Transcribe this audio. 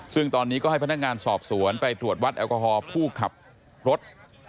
ซึ่งตอนนี้ก็ให้พนักงานสอบสวนไปตรวจวัดแอลกอฮอล์ผู้ขับรถ